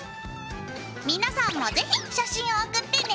皆さんも是非写真を送ってね！